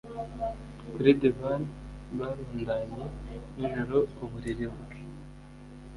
Kuri divan barundanye nijoro uburiri bwe